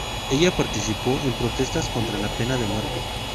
Ella participó en protestas contra la pena de muerte.